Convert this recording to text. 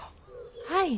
はい。